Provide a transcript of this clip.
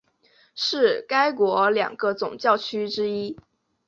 是该国两个总教区之一。